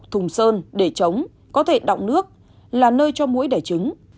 thùng sơn đề trống có thể đọng nước là nơi cho mũi đẻ trứng